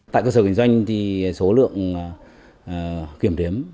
tại cơ sở kinh doanh thì số lượng kiểm đếm